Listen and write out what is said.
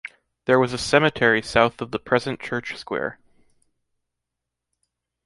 There was a cemetery south of the present church square.